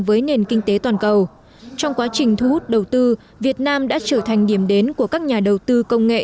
với nền kinh tế toàn cầu trong quá trình thu hút đầu tư việt nam đã trở thành điểm đến của các nhà đầu tư công nghệ